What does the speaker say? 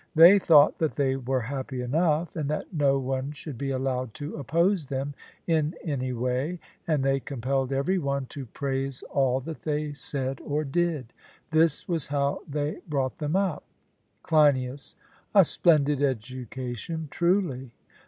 They thought that they were happy enough, and that no one should be allowed to oppose them in any way, and they compelled every one to praise all that they said or did. This was how they brought them up. CLEINIAS: A splendid education truly!